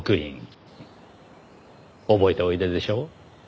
覚えておいででしょう？